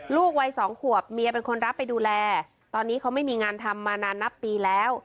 วัยสองขวบเมียเป็นคนรับไปดูแลตอนนี้เขาไม่มีงานทำมานานนับปีแล้ว